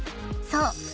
［そう。